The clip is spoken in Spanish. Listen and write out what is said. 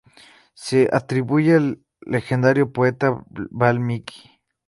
Se atribuye al legendario poeta Valmiki.